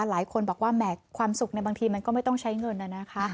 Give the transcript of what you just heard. หลายคนบอกว่าแหมความสุขในบางทีมันก็ไม่ต้องใช้เงินนะคะ